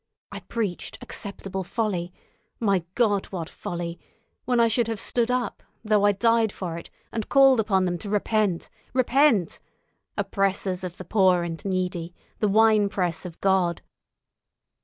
I preached acceptable folly—my God, what folly!—when I should have stood up, though I died for it, and called upon them to repent—repent! ... Oppressors of the poor and needy ...! The wine press of God!"